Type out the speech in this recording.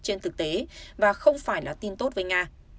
trên thực tế và không phải là tin tốt với nga